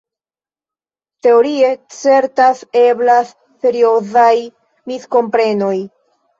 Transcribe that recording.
Teorie certas eblas seriozaj miskomprenoj.